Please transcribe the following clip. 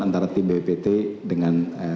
antara tim bppt dengan